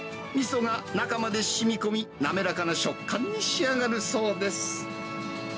みそが中までしみこみ、滑らかな食感に仕上がるそうです。